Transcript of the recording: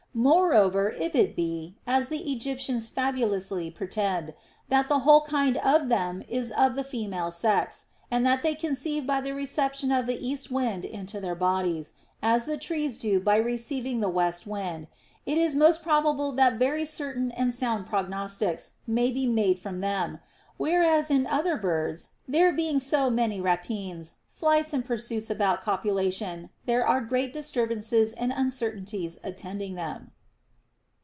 Moreover if it be (as the Egyptians fabulously pretend) that the whole kind of them is of the female sex, and that they conceive by the reception of the east wind into their bodies, as the trees do by receiving the west wind, it is most probable that very certain and sound prognostics may be made from them ; whereas in other birds (there being so many rapines, nights, and pursuits about copulation) 254 THE ROMAN QUESTIONS. there are great disturbances and uncertainties attending them.